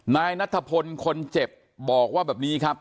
นายนัทพลคนเจ็บบอกว่าแบบนี้ครับ